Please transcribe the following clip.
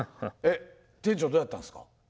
店長どうやったんすか。